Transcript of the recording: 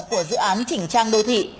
của dự án chỉnh trang đô thị